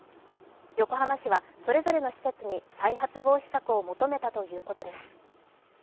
横浜市は、それぞれの施設に再発防止策を求めたということです。